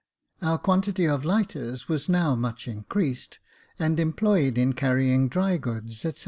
Our quantity of lighters was now much increased, and employed in carrying dry goods, &c.